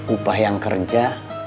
upah yang kerja